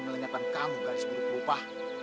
melenyapkan kamu garis buruk lupa